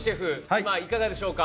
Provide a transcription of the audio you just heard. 今いかがでしょうか？